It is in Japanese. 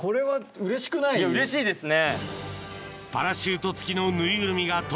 うれしいですね。